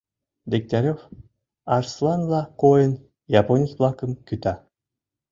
Дегтярев, арсланла койын, японец-влакым кӱта.